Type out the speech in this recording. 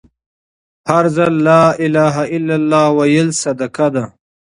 هر ځل لا إله إلا لله ويل صدقه ده